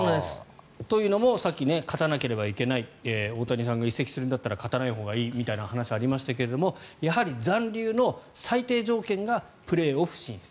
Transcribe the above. というのもさっき、勝たなければいけない大谷さんが移籍するんだったら勝たないほうがいいみたいなお話がありましたがやはり残留の最低条件がプレーオフ進出。